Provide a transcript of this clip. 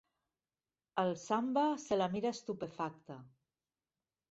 El Samba se la mira estupefacte.